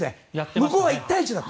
向こうは１対１だ！